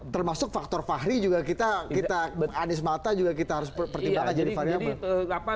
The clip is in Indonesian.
termasuk faktor fahri juga kita anies malta juga kita harus pertimbangkan jadi fahri apa